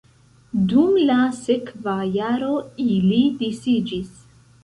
Dum la sekva jaro ili disiĝis.